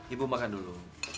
ibu makan dulu